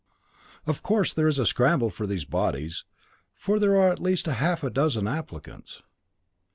Of course there is a scramble for these bodies, for there are at least half a dozen applicants.